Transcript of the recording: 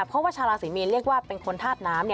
เพราะว่าชาวราศีมีนเรียกว่าเป็นคนธาตุน้ำ